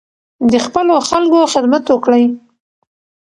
د خپلو خلکو خدمت وکړئ.